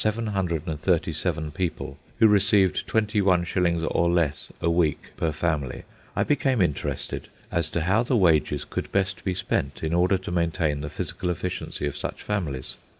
WAGES When I learned that in Lesser London there were 1,292,737 people who received twenty one shillings or less a week per family, I became interested as to how the wages could best be spent in order to maintain the physical efficiency of such families.